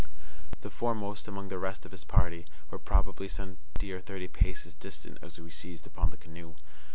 The foremost among the rest of his party were probably some twenty or thirty paces distant as we seized upon the canoe.